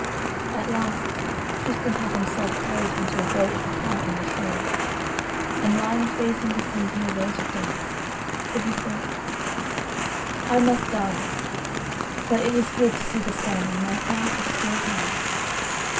At last Tristan had himself carried into a boat apart on the shore; and lying facing the sea he awaited death, for he thought: "I must die; but it is good to see the sun and my heart is still high.